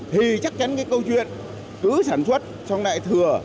thì chắc chắn cái câu chuyện cứ sản xuất trong đại thừa